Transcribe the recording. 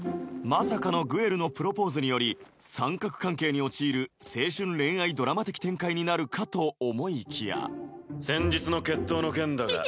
まさかのグエルのプロポーズにより三角関係に陥る青春恋愛ドラマ的展開になるかと思いきや先日の決闘の件だが。